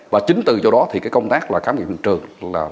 và chính từ do đó thì cái công tác khám nghiệp hình trường